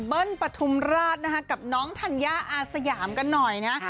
ปฐุมราชนะคะกับน้องธัญญาอาสยามกันหน่อยนะ